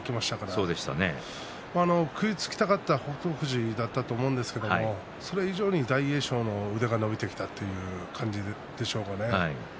富士は食いつきたかったと思うんですけどそれ以上に大栄翔の腕が伸びてきたという感じなんでしょうかね。